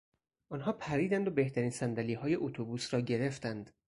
آنها پریدند و بهترین صندلیهای اتوبوس را گرفتند.